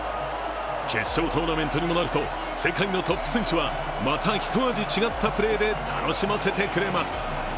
決勝トーナメントにもなると世界のトップ選手はまた一味違ったプレーで楽しませてくれます。